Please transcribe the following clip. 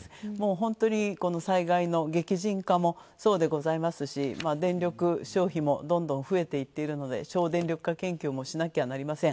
本当にこの災害の激甚化もそうでございますし電力消費もどんどん増えていっているので省電力化研究もしなきゃなりません。